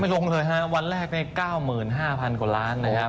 ไม่ลงเลยครับวันแรกใน๙๕๐๐๐กว่าล้านนะครับ